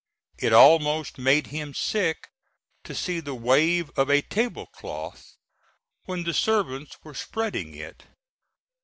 It almost made him sick to see the wave of a table cloth when the servants were spreading it.